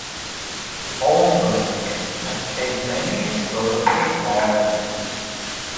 Holmberg has played many historical parts.